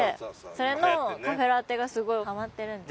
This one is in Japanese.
れのカフェラテがすごいハマってるんです。